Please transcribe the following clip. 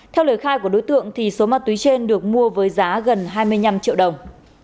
theo lời khai của đối tượng số ma túy trên được mua với giá gần hai mươi năm triệu đồng